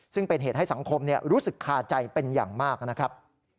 ซึ่งเป็นเหตุให้สังคมรู้สึกคาใจเป็นอย่างมากนะครับ